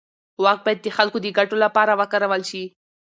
واک باید د خلکو د ګټو لپاره وکارول شي.